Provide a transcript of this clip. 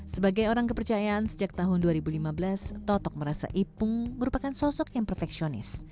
sebagai orang kepercayaan sejak tahun dua ribu lima belas totok merasa ipung merupakan sosok yang perfeksionis